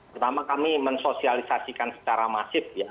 pertama kami mensosialisasikan secara masif ya